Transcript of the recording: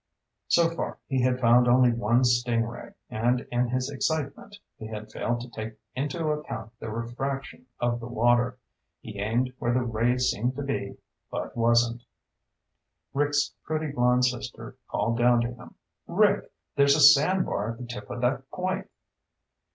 So far, he had found only one sting ray, and in his excitement he had failed to take into account the refraction of the water. He aimed where the ray seemed to be but wasn't. Rick's pretty, blond sister called down to him. "Rick! There's a sand bar at the tip of that point."